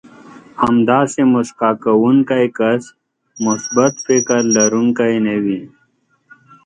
همداسې مسکا کوونکی کس مثبت فکر لرونکی نه وي.